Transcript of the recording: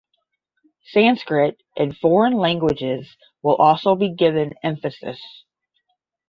Sanskrit and foreign languages will also be given emphasis.